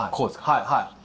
はいはい。